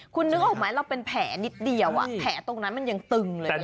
คุณนึกออกไหมเราเป็นแผลนิดเดียวแผลตรงนั้นมันยังตึงเลย